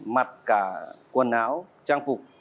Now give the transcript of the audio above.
mặt cả quần áo trang phục